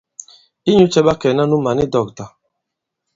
Inyū cɛ̄ ɓa kɛnā ànu mǎn i dɔ̂kta ?